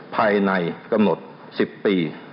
ภายในกำหนด๑๐ปี